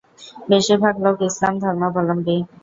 বেশির ভাগ লোক ইসলাম ধর্মাবলম্বী।